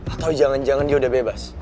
atau jangan jangan dia udah bebas